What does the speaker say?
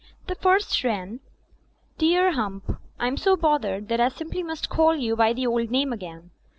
The first ran: "Dear Hump— "I'm so bothered that I simply must call you by the old name again.